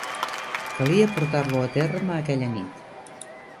Calia portar-lo a terme aquella nit